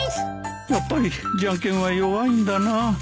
やっぱりじゃんけんは弱いんだな